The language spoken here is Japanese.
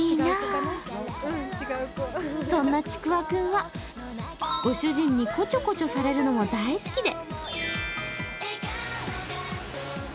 そんなちくわくんはご主人のこちょこちょされるのも大好きで。